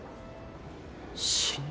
死んだ？